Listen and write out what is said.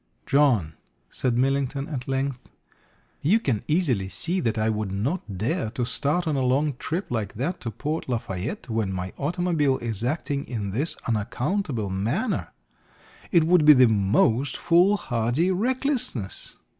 "John," said Millington at length, "you can easily see that I would not dare to start on a long trip like that to Port Lafayette when my automobile is acting in this unaccountable manner. It would be the most foolhardy recklessness.